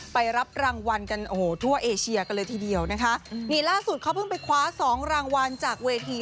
ไปรับรางวัลกันโอ้โหทั่วเอเชียกันเลยทีเดียวนะคะนี่ล่าสุดเขาเพิ่งไปคว้าสองรางวัลจากเวที